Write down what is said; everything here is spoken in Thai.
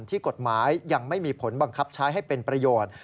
ที่กฎหมายยังไม่มีผลบังคับใช้ให้เป็นประโยชน์